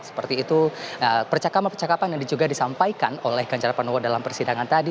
seperti itu percakapan percakapan yang juga disampaikan oleh ganjar pranowo dalam persidangan tadi